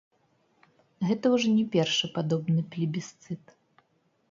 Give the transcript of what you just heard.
Гэта ўжо не першы падобны плебісцыт.